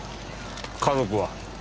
家族は？